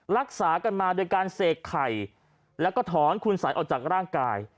รักษากันมาโดยการเสกไข่แล้วก็ถอนคุณสัยออกจากร่างกาย